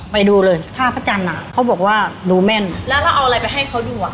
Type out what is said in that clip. ไปดูเลยท่าพระจันทร์อ่ะเขาบอกว่าดูแม่นแล้วถ้าเอาอะไรไปให้เขาดูอ่ะ